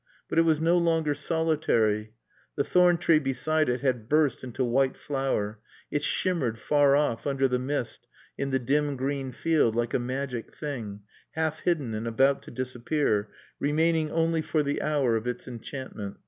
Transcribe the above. But it was no longer solitary. The thorn tree beside it had burst into white flower; it shimmered far off under the mist in the dim green field, like a magic thing, half hidden and about to disappear, remaining only for the hour of its enchantment.